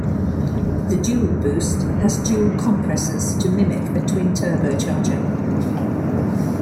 The Dualboost has dual compressors to mimic a twin turbocharger.